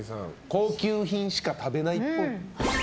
高級品しか食べないっぽい。